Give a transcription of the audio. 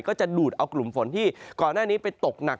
ก็จะดูดเอากลุ่มฝนที่ก่อนหน้านี้ไปตกหนัก